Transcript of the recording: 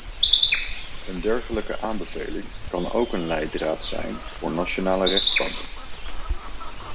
Een dergelijke aanbeveling kan ook een leidraad zijn voor nationale rechtbanken.